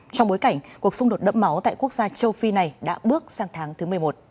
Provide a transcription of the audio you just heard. trong bối cảnh cuộc xung đột đẫm máu tại quốc gia châu phi này đã bước sang tháng thứ một mươi một